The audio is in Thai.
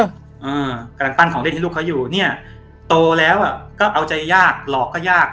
อ่ากำลังปั้นของเล่นให้ลูกเขาอยู่เนี้ยโตแล้วอ่ะก็เอาใจยากหลอกก็ยาก